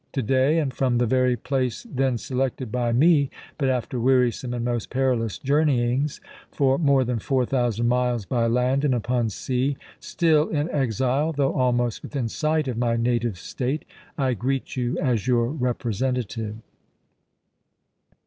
To day, and from the very place then selected by me, but after wearisome and most perilous journeyings for more than four thousand miles by land and upon sea, still in exile, though almost within sight of my native State, I greet you as your representative.